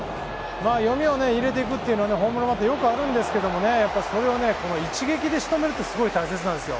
読みを入れていくというのはホームランバッターによくあるんですがそれを一撃でしとめるってすごい大切です。